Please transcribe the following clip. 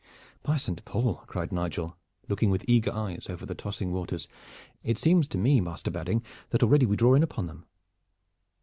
"By Saint Paul!" cried Nigel, looking with eager eyes over the tossing waters, "it seems to me, Master Badding, that already we draw in upon them."